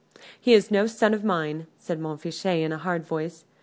"He is no son of mine," said Montfichet, in a hard voice.